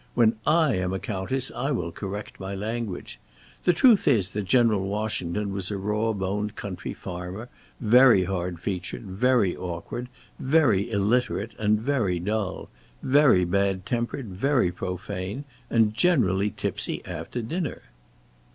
When I am a Countess I will correct my language. The truth is that General Washington was a raw boned country farmer, very hard featured, very awkward, very illiterate and very dull; very bad tempered, very profane, and generally tipsy after dinner."